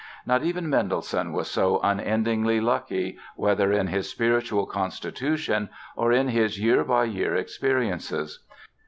Not even Mendelssohn was so unendingly lucky, whether in his spiritual constitution or in his year by year experiences.